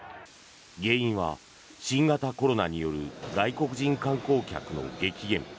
原因は新型コロナによる外国人観光客の激減。